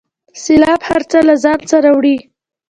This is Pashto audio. سیلاب هر څه له ځانه سره وړي.